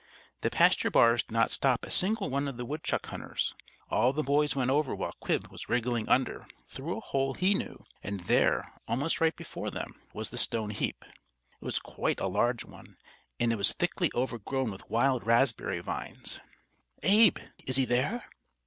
The pasture bars did not stop a single one of the woodchuck hunters. All the boys went over while Quib was wriggling under, through a hole he knew, and there, almost right before them was the stone heap. It was quite a large one, and it was thickly overgrown with wild raspberry vines. "Abe is he there?"